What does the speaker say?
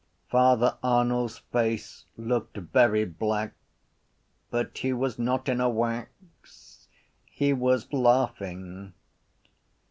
Father Arnall’s face looked very black but he was not in a wax: he was laughing.